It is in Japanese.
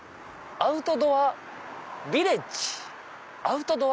アウトドアビレッジ。